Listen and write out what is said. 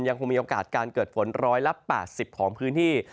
ยังคงมีโอกาสการเกิดฝน๑๘๐ของพื้นที่